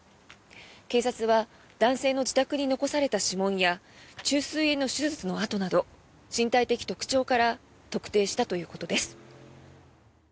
警察は男性の自宅に残された指紋や虫垂炎の手術の痕など身体的特徴から特定したということです。